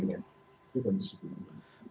itu yang harus kita lakukan